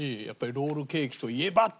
やっぱりロールケーキといえば！